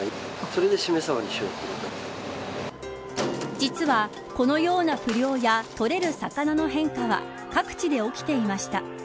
実は、このような不漁や取れる魚の変化は各地で起きていました。